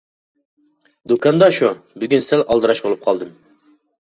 دۇكاندا شۇ، بۈگۈن سەل ئالدىراش بولۇپ قالدىم.